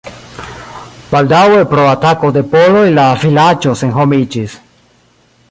Baldaŭe pro atako de poloj la vilaĝo senhomiĝis.